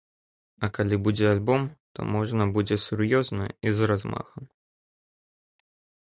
А калі будзе альбом, то можна будзе сур'ёзна і з размахам.